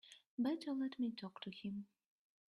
Better let me talk to him.